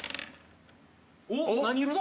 おっ何色だ？